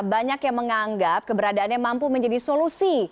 banyak yang menganggap keberadaannya mampu menjadi solusi